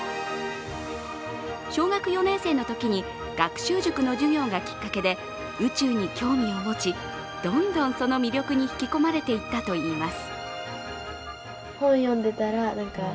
小学４年生のときに、学習塾の授業がきっかけで宇宙に興味を持ちどんどんその魅力に引き込まれていったといいます。